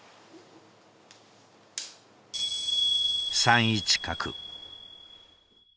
３一角。